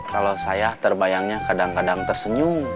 kalau saya terbayangnya kadang kadang tersenyum